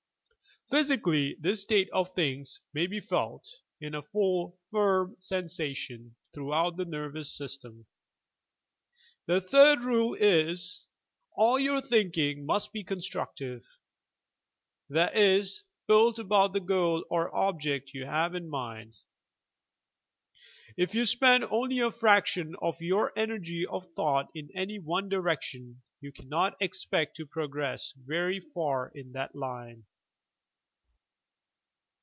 Physi cally this state of things may be felt in a full, firm sensation throughout the nervous system. The third rule is: All your thinking must be constructive, that is, built about the goal or object you have in mind. If you spend only a fraction of your energy of thought in any one direction, you cannot expect to progress very far in that line.